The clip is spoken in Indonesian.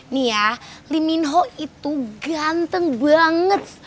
nih ya lim minho itu ganteng banget